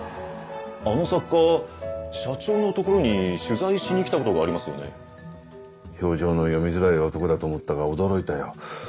あの作家社長の所に取材しに来たことがありますよね。表情の読みづらい男だと思ったが驚いたよ。